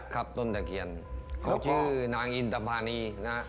ต้นตะเคียนเขาชื่อนางอินตภานีนะ